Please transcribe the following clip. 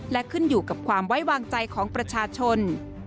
และขึ้นอยู่กับความไว้วางใจของประชาชน